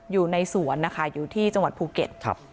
อยู่ในสวนนะคะอยู่ที่จังหวัดภูเก็ต